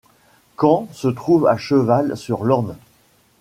Caen se trouve à cheval sur l'Orne.